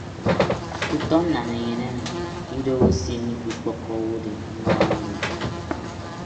Utọ nnananyen emi idoho se mmikpikpọọkọ owodeen mmọọñ eyod.